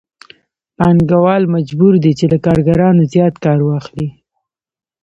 پانګوال مجبور دی چې له کارګرانو زیات کار واخلي